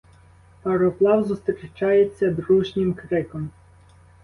Пароплав зустрічається дружнім криком.